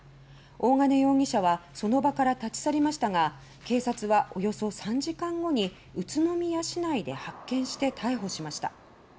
大金容疑者はその場から立ち去りましたが警察は、およそ３時間後に宇都宮市内で発見して逮捕しました。